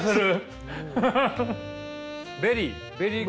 ベリー。